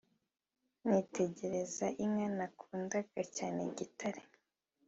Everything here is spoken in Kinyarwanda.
nitegereza inka nakundaga cyane Gitare